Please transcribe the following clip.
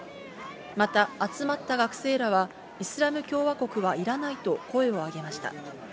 また、集まった学生らは、イスラム共和国はいらないと声を上げました。